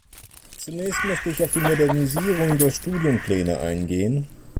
Zunächst möchte ich auf die Modernisierung der Studienpläne eingehen.